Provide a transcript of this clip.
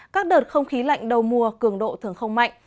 các đợt không khí lạnh đầu mùa cường độ thường không mạnh